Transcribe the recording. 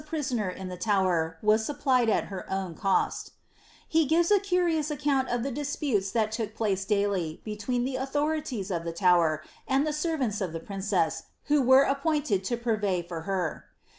prisoner in the Tower, was supplied at her own cost He gives m curi ous account of the disputes that took place daily, between the authori ties in the Tower, and the servants of the princess, who were appointed to purvey for her.